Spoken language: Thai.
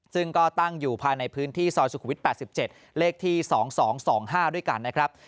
ซึ่งก็ตั้งอยู่ภายในพื้นที่ซอยสุขุมฤทธิ์แปดสิบเจ็ดเลขที่สองสองสองห้าด้วยกันนะครับ